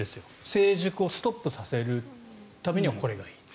成熟をストップさせるためにはこれがいい。